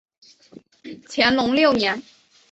乾隆六年。